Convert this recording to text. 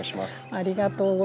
ありがとうございます。